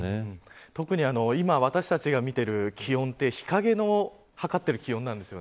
今私たちが見ている気温は日陰を測っているんです。